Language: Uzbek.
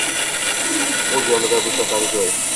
Oʻz yonidan boʻshatadi joy.